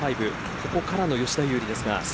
ここからの吉田優利ですが。